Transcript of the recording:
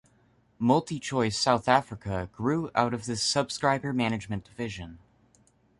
MultiChoice South Africa grew out of this subscriber management division.